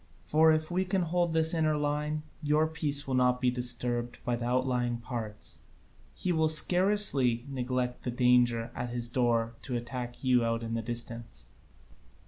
For, if we can hold his inner line, your peace will not be disturbed in the outlying parts: he will scarcely neglect the danger at his door to attack you out in the distance."